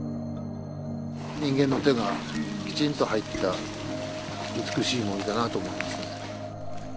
人間の手がきちんと入った美しい森だなと思いますね。